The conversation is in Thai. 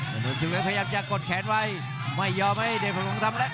ธนูสึกเล็กพยายามจะกดแขนไว้ไม่ยอมให้เดชน์ฟังโคงทำแล้ว